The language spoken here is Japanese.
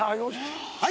「はい！